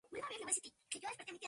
Daba suplementos.